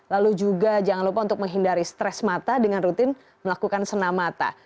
lalu juga jangan lupa untuk menghindari stres mata dengan rutin melakukan senam mata